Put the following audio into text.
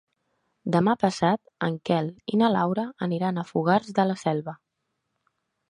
Demà passat en Quel i na Laura aniran a Fogars de la Selva.